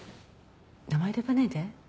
名前で呼ばないで。